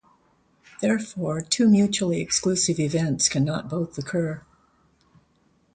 Therefore, two mutually exclusive events cannot both occur.